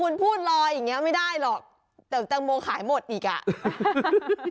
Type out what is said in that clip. น่าจะไม่แน่ใจเหรออหรออหรออหรออหรออหรอ